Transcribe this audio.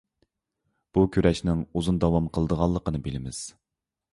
بۇ كۈرەشنىڭ ئۇزۇن داۋام قىلىدىغانلىقىنى بىلىمىز.